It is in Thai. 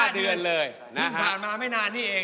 ๕เดือนเลยผ่านมาไม่นานนี่เอง